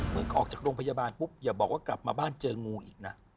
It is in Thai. ออกจากโรงพยาบาลปุ๊บอย่าบอกว่ากลับมาบ้านเจองูอีกนะ